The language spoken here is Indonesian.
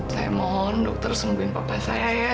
saya mohon dokter sembuhin papa saya ya